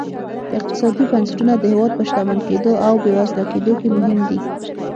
اقتصادي بنسټونه د هېواد په شتمن کېدو او بېوزله کېدو کې مهم دي.